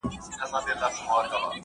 ښوونځی د ماشومانو تفکر ته لوری ورکوي.